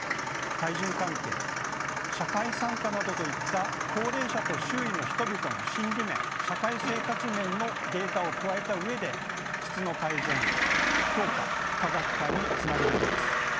対人関係社会参加などといった高齢者と周囲の人々の心理面社会生活面のデータを加えた上で質の改善評価科学化につなぐべきです。